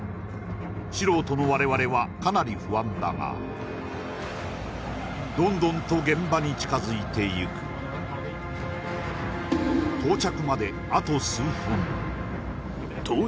素人の我々はかなり不安だがどんどんと現場に近づいていくということにしようえ